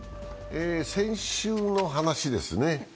先週の話ですね。